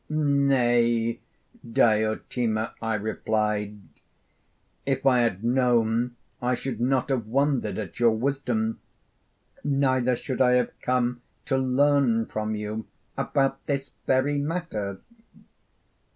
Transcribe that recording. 'Nay, Diotima,' I replied, 'if I had known, I should not have wondered at your wisdom, neither should I have come to learn from you about this very matter.'